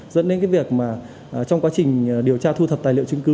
dẫn đến cái việc mà trong quá trình điều tra thu thập tài liệu chứng cứ